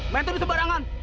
mentur di sembarangan